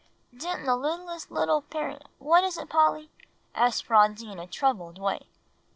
"Didn't the littlest little Peri what is it, Polly?" asked Phronsie in a troubled way.